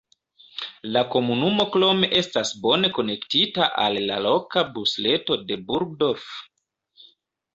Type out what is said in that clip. La komunumo krome estas bone konektita al la loka busreto de Burgdorf.